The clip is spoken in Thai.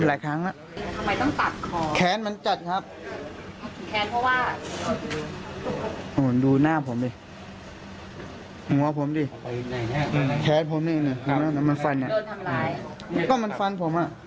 หรือว่าอันสืบหรือว่าอันสืบน้องเต้ผมบ่อยครับ